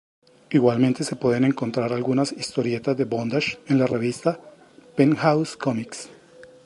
Igualmente se pueden encontrar algunas historietas de bondage en la revista "Penthouse Comix".